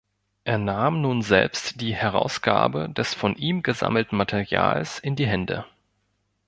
Er nahm nun selbst die Herausgabe des von ihm gesammelten Materials in die Hände.